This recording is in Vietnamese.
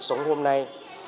những vấn đề đương thời